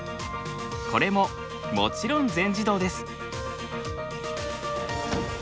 これももちろん全自動です。